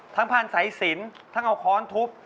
ทั้งพรรษสัยศิลทั้งเอาคร้อนทุบ